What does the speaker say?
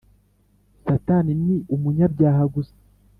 Satani ni umunyabyaha gusa.